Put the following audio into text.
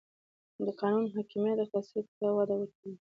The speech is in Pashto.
د قانون حاکمیت اقتصاد ته وده ورکوي؟